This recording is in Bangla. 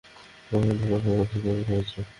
Neuromorphic hard drive panel access করা হয়েছে।